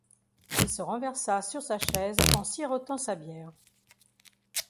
Il se renversa sur sa chaise en sirotant sa bière.